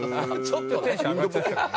ちょっとテンション上がっちゃった。